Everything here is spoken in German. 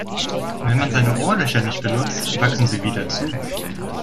Wenn man seine Ohrlöcher nicht benutzt, wachsen sie wieder zu.